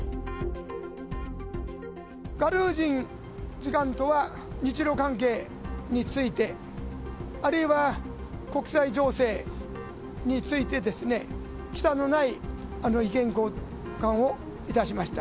次官とは日ロ関係について、あるいは国際情勢についてですね、きたんのない意見交換をいたしました。